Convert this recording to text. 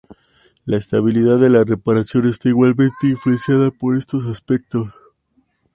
La estabilidad de la reparación está igualmente influenciada por estos aspectos.